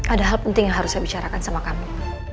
ada hal penting yang harus saya bicarakan sama kami